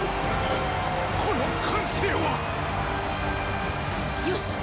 ここの歓声は！よしっ！